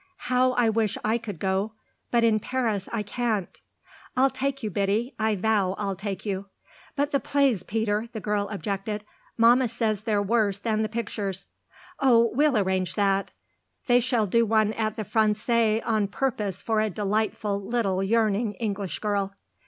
"How I wish I could go but in Paris I can't!" "I'll take you, Biddy I vow I'll take you." "But the plays, Peter," the girl objected. "Mamma says they're worse than the pictures." "Oh, we'll arrange that: they shall do one at the Français on purpose for a delightful little yearning English girl."